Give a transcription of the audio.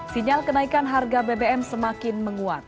sinyal kenaikan harga bbm semakin menguat